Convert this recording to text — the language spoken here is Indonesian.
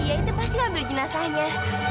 iya itu pasti ambil jenazahnya